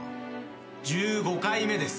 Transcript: １５回目です。